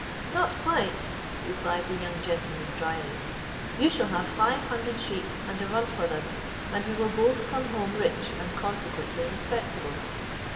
"Not quite," replied the young gentleman dryly; "you shall have five hundred sheep and a run for them, and we will both come home rich and consequently respectable."